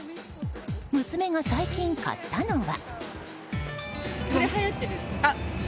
娘が最近買ったのは。